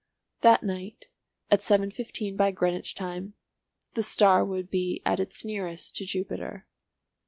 That night, at seven fifteen by Greenwich time, the star would be at its nearest to Jupiter.